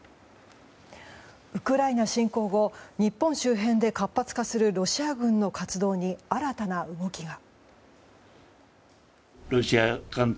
ウクライナ侵攻後日本周辺で活発化するロシア軍の活動に新たな動きが。